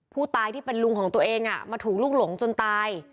ที่เป็นลุงของตัวเองมาถูกลูกหลงจนตาย